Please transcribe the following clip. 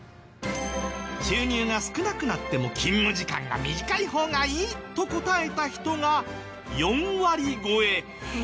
「収入が少なくなっても勤務時間が短い方がいい」と答えた人が４割超え。